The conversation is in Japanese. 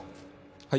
はい。